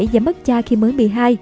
và mất cha khi mới một mươi hai